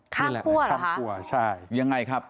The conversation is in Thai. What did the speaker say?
ข้ามคั่วเหรอคะอย่างไรครับ